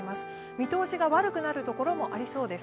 見通しが悪くなる所もありそうです。